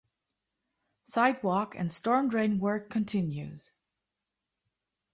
Sidewalk and storm drain work continues.